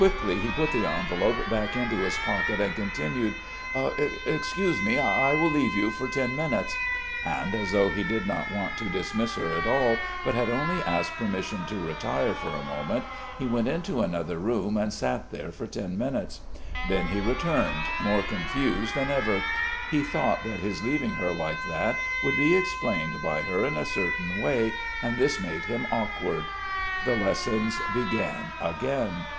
Quickly he put the envelope back into his pocket and continued: "Excuse me. I ... I will leave you for ten minutes...." And as though he did not want to dismiss her at all, but had only asked permission to retire for a moment he went into another room and sat there for ten minutes. Then he returned, more confused than ever; he thought that his leaving her like that would be explained by her in a certain way and this made him awkward. The lessons began again.